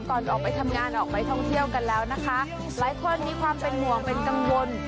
ก่อนออกไปทำงานออกไปท่องเที่ยวกันแล้วนะคะหลายคนมีความเป็นห่วงเป็นกังวล